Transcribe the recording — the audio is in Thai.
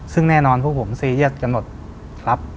ซึ่งแน่นอนพวกผมซีเรียสกำหนดรับ